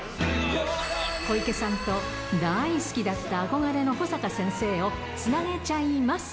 小池さんと大好きだった憧れの保坂先生をつなげちゃいます。